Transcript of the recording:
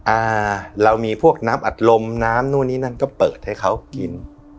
อ่าเรามีพวกน้ำอัดลมน้ำนู่นนี่นั่นก็เปิดให้เขากิน